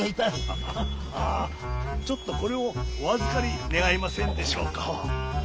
あっちょっとこれをお預かり願えませんでしょうか。